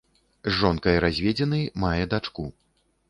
З жонкай разведзены, мае дачку.